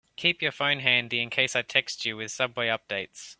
Keep your phone handy in case I text you with subway updates.